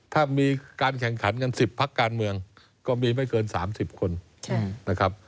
ถ้ามีการแข่งขันกัน๑๐พักการเมืองก็มีไม่เกิน๓๐คนนะครับ